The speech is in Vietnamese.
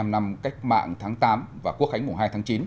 bảy mươi năm năm cách mạng tháng tám và quốc khánh mùng hai tháng chín